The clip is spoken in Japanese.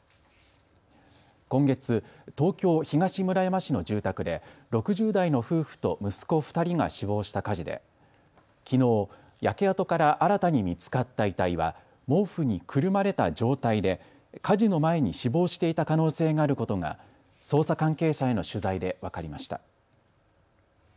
今月、東京東村山市の住宅で６０代の夫婦と息子２人が死亡した火事できのう焼け跡から新たに見つかった遺体は毛布にくるまれた状態で火事の前に死亡していた可能性があることが捜査関係者への取材で分かりました。